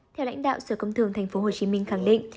theo lãnh đạo sở công thương tp hcm khẳng định